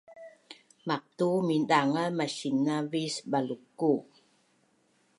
Maqtu mindangaz masinavis baluku’